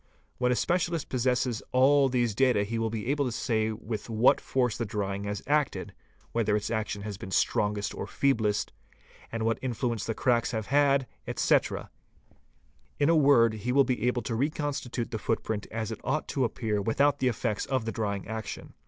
When a specialist possesses all these data he will be able to say with what force _ the drying has acted, where its action has been strongest or feeblest, and what influence the cracks have had, etc.; in a word he will be able to reconstitute the footprint as it ought to appear without the effects of the drying action.